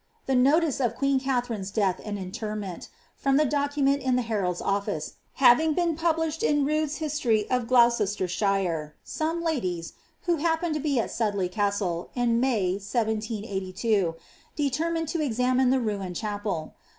The notice of queen Katharine^s death and interment, from the docu Dent in the Herald's Ofhce, having been published in ^^ Rudders History if Gloucestershire," some ladies, who happened to be at Sudley Castle, n May, 1782, determined to examine the ruined chapel.